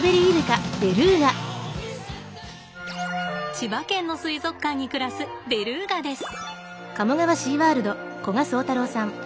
千葉県の水族館に暮らすベルーガです。